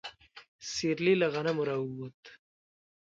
سيرلي له غنمو راووت.